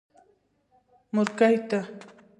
مورکۍ تا.